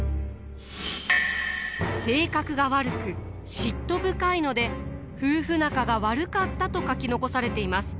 性格が悪く嫉妬深いので夫婦仲が悪かったと書き残されています。